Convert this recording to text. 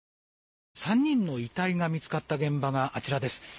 ３人の遺体が見つかった現場があちらです。